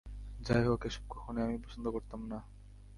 যাইহোক, এসব কখনোই আমি পছন্দ করতাম না।